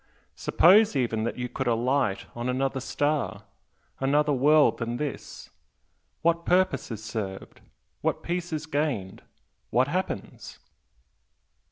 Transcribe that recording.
Suppose even that you could alight on another star another world than this what purpose is served? what peace is gained? what happens?"